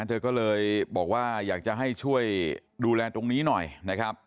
เธอก็เลยบอกว่าอยากจะให้ช่วยดูแลตรงนี้หน่อยนะครับ